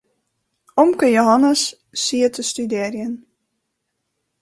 Omke Jehannes siet te studearjen.